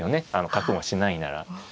角交換しないなら。